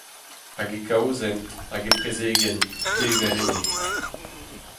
Hag e kaozeent, hag e prezegent, dever enne.